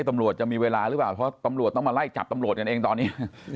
ตำรวจจะมีเวลาหรือเปล่าเพราะตำรวจต้องมาไล่จับตำรวจกันเองตอนนี้